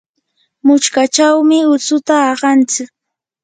muchkachawmi utsuta aqanchik.